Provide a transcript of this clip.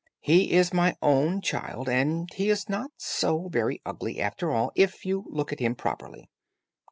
He is my own child, and he is not so very ugly after all if you look at him properly.